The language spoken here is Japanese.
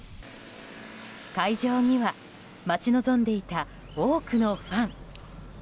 会場には待ち望んでいた多くのファン。